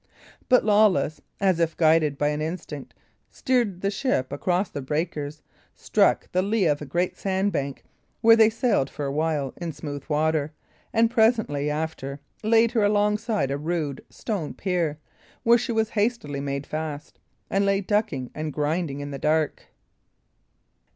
But Lawless, as if guided by an instinct, steered the ship across the breakers, struck the lee of a great sandbank, where they sailed for awhile in smooth water, and presently after laid her alongside a rude, stone pier, where she was hastily made fast, and lay ducking and grinding in the dark.